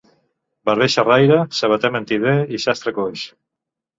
Barber xarraire, sabater mentider i sastre coix.